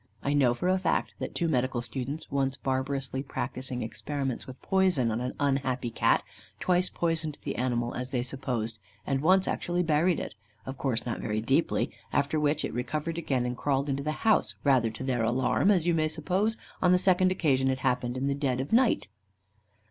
I know for a fact, that two medical students once barbarously practising experiments with poison on an unhappy Cat, twice poisoned the animal, as they supposed, and once actually buried it, of course not very deeply, after which it recovered again, and crawled into the house, rather to their alarm, as you may suppose, as on the second occasion it happened in the dead of night.